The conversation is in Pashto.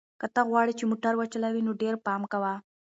که ته غواړې چې موټر وچلوې نو ډېر پام کوه.